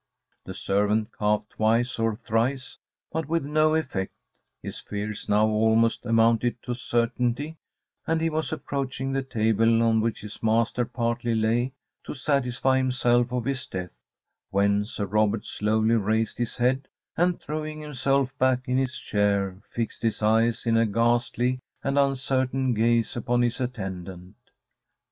The servant coughed twice or thrice, but with no effect; his fears now almost amounted to certainty, and he was approaching the table on which his master partly lay, to satisfy himself of his death, when Sir Robert slowly raised his head, and, throwing himself back in his chair, fixed his eyes in a ghastly and uncertain gaze upon his attendant.